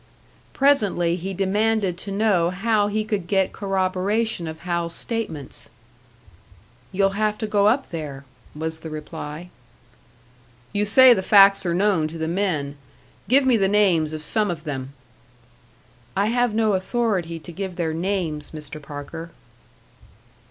Presently he demanded to know how he could get corroboration of Hal's statements. "You'll have to go up there," was the reply. "You say the facts are known to the men. Give me the names of some of them." "I have no authority to give their names, Mr. Parker."